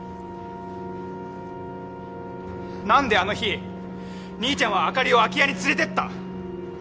なんであの日兄ちゃんは朱莉を空き家に連れて行った？